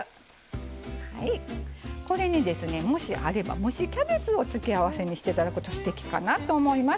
これに、もしあれば蒸しキャベツを付け合わせにしていただくとすてきかなと思います。